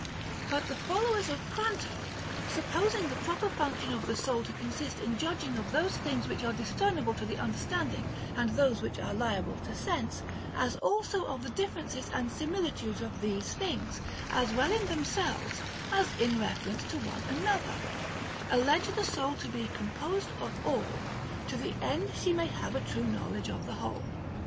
But the followers of Grantor, supposing the proper func tion of the soul to consist in judging of those things which are discernible to the understanding and those which are liable to sense, as also of the differences and similitudes of these tilings, as well in themselves as in reference one to another, allege the soul to be composed of all, to the end she may have a true knowledge of the whole.